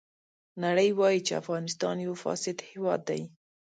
نړۍ وایي چې افغانستان یو فاسد هېواد دی.